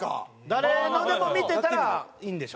誰のでも見てたらいいんでしょ？